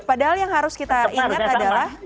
padahal yang harus kita ingat adalah